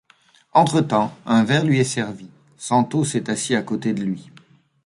Entre-temps, un verre lui est servi, Santos est assis à côté de lui.